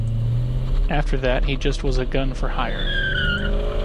After that he just was a gun for hire.